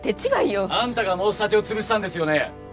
あんたが申し立てを潰したんですよね？